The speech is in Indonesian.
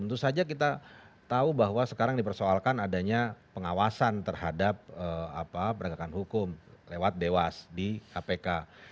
tentu saja kita tahu bahwa sekarang dipersoalkan adanya pengawasan terhadap penegakan hukum lewat dewas di kpk